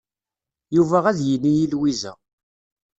Yuba ad yini i Lwiza.